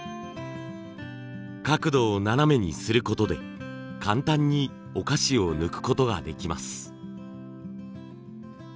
角度を斜めにすることで簡単にお菓子を抜くことができます。